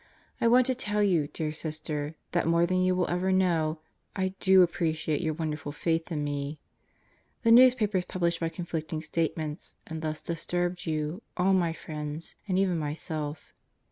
I want to tell you, dear Sister, that more than you will ever know, I do appreciate your wonderful faith in me. ... The newspapers published my conflicting statements and thus disturbed you, all my friends, and even myself.